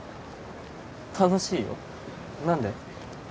楽しいよ何で？